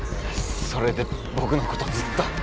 それでぼくのことずっと。